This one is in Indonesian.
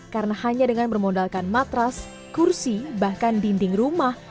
karena hanya dengan bermodalkan matras kursi bahkan dinding rumah